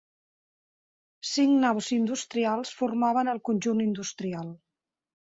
Cinc naus industrials formaven el conjunt industrial.